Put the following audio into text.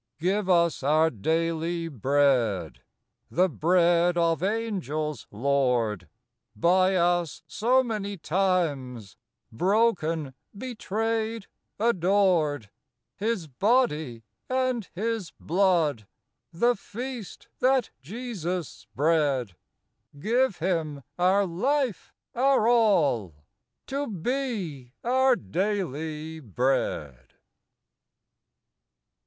Give us our daily Bread, The Bread of Angels, Lord, By us, so many times, Broken, betrayed, adored : His Body and His Blood ;— The feast that Jesus spread : Give Him — our life, our all — To be our daily Bread